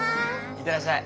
行ってらっしゃい。